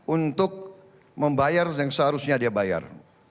untuk membayar yang seharusnya dibayar